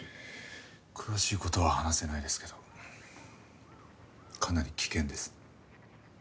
詳しい事は話せないですけどかなり危険です。